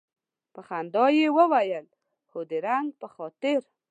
په خندا یې وویل هو د رنګ په خاطر.